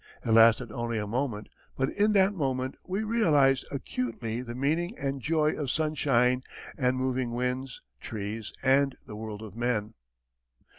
It lasted only a moment, but in that moment we realized acutely the meaning and joy of sunshine and moving winds, trees, and the world of men.